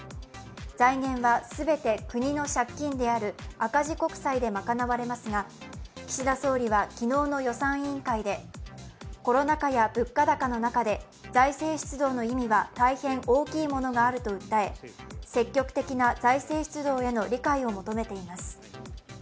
財源は全て国の借金である赤字国債で賄われますが岸田総理は昨日の予算委員会で、コロナ禍や物価高の中で財政出動の意味は大変大きいものがあると訴え積極的な財政出動への理解を求めています。